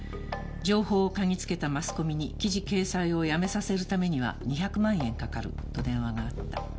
「情報を嗅ぎつけたマスコミに記事掲載をやめさせるためには２００万円かかると電話があった」